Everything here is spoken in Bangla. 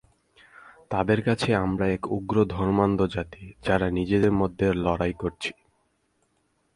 তাদের কাছে আমরা এক উগ্র ধর্মান্ধ জাতি, যারা নিজেদের মধ্যেই লড়াই করছি।